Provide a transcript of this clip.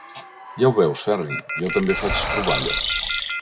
Ja ho veus, Ferri, jo també faig troballes.